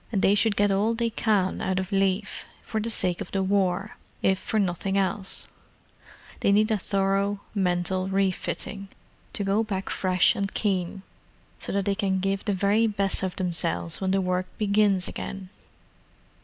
And they should get all they can out of leave, for the sake of the War, if for nothing else: they need a thorough mental re fitting, to go back fresh and keen, so that they can give the very best of themselves when the work begins again."